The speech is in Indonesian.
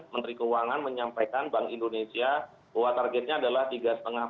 menteri keuangan menyampaikan bank indonesia bahwa targetnya adalah tiga lima plus minas